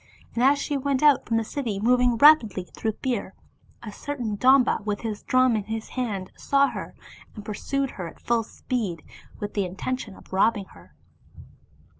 And as she went out from the city moving rapidly through fear, a certain Domba with his drum in his hand, saw her, and pursued her at full speed with the intention of robbing her.